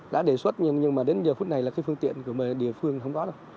đã đề xuất nhưng mà đến giờ phút này là cái phương tiện của địa phương không có đâu